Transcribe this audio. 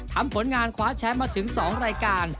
ผลงานคว้าแชมป์มาถึง๒รายการ